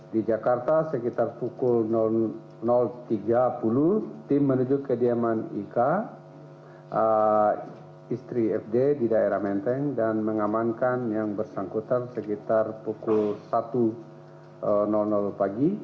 di jakarta sekitar pukul tiga puluh tim menuju kediaman ika istri fd di daerah menteng dan mengamankan yang bersangkutan sekitar pukul satu pagi